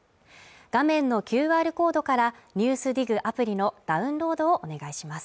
画面のＱＲコードから「ＮＥＷＳＤＩＧ」アプリのダウンロードをお願いします。